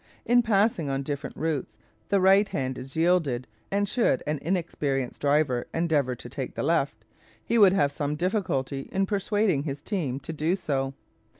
In passing on different routes the right hand is yielded, and should an inexperienced driver endeavour to take the left, he would have some difficulty in persuading his team to do so.